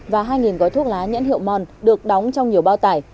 và hai gói thuốc lá nhãn hiệu mòn được đóng trong nhiều bao tải